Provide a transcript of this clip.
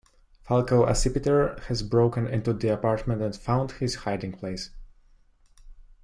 Falco Accipiter has broken into the apartment and found his hiding place.